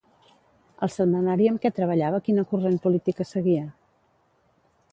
El setmanari amb què treballava quina corrent política seguia?